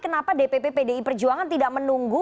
kenapa dpp pdi perjuangan tidak menunggu